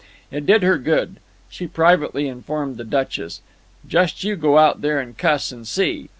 It did her good, she privately informed the Duchess. "Just you go out there and cuss, and see."